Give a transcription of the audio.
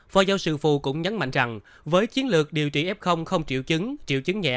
phó giáo sư phù cũng nhấn mạnh rằng với chiến lược điều trị f không triệu chứng triệu chứng nhẹ